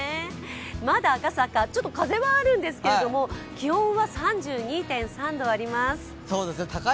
まだ赤坂、ちょっと風はあるんですけど気温は３２．３度あります。